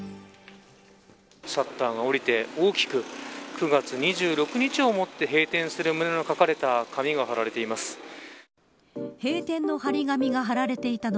シャッターが下りて大きく、９月２６日をもって閉店する旨が書かれた紙が貼られています。